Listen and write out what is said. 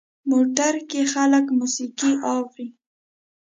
موټر کې خلک موسیقي اوري.